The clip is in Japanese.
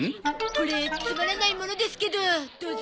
これつまらないものですけどどうぞ！